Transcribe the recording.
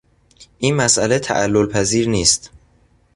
این مسئله تعللپذیر نیست.